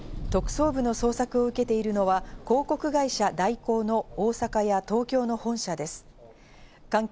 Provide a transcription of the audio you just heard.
特捜部の捜索を受けているのは広告会社・大広の大阪や東京の本社です。